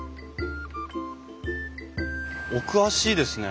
お詳しいですね。